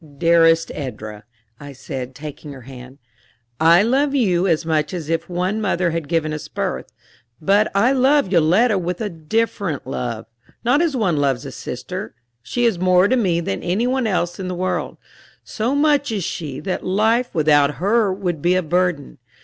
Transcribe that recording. "Dearest Edra," I said, taking her hand, "I love you as much as if one mother had given us birth. But I love Yoletta with a different love not as one loves a sister. She is more to me than any one else in the world; so much is she that life without her would be a burden.